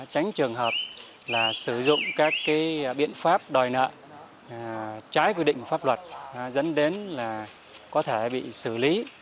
tránh trường hợp là sử dụng các biện pháp đòi nợ trái quy định của pháp luật dẫn đến là có thể bị xử lý